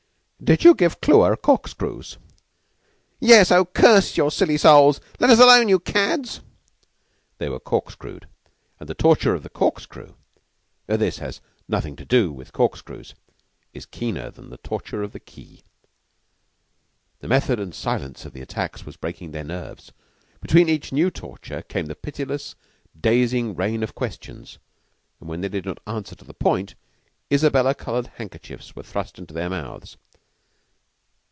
"Did you give Clewer Corkscrews?" "Yes. Oh, curse your silly souls! Let us alone, you cads." They were corkscrewed, and the torture of the Corkscrew this has nothing to do with corkscrews is keener than the torture of the Key. The method and silence of the attacks was breaking their nerves. Between each new torture came the pitiless, dazing rain of questions, and when they did not answer to the point, Isabella colored handkerchiefs were thrust into their mouths.